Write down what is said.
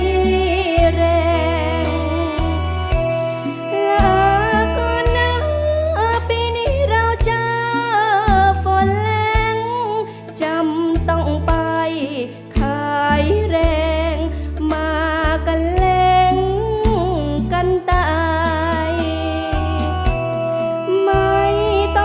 เพลงที่๒เพลงมาครับขอโชคดี